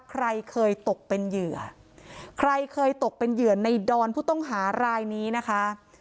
ใครเคยตกเป็นเหยื่อในดอนผู้ต้องหารายนี้นะคะ